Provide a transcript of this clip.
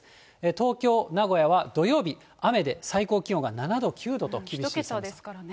東京、名古屋は土曜日、雨で、最高気温が７度、１桁ですからね。